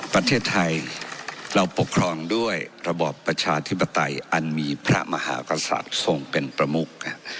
ประเทศไทยเราปกครองด้วยระบอบประชาธิปไตยอันมีพระมหากษัตริย์ทรงเป็นประมุก